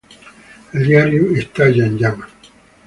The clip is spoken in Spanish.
El diario estalla en llamas.